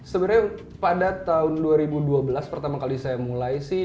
sebenarnya pada tahun dua ribu dua belas pertama kali saya mulai sih